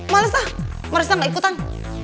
malasah marissa gak ikutan